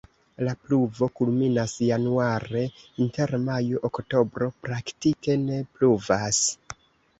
La pluvo kulminas januare, inter majo-oktobro praktike ne pluvas.